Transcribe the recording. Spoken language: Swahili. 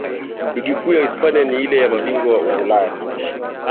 Ligi kuu ya Uhispania na lile la mabingwa wa Ulaya